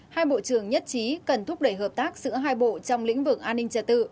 hai bộ trưởng nhất trí cần thúc đẩy hợp tác giữa hai bộ trong lĩnh vực an ninh trật tự